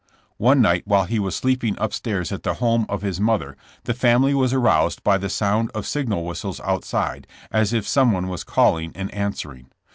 One night while he was sleeping upstairs at the home of his mother the family was aroused by the sound of signal whistles outside, as if someone was calling and answering.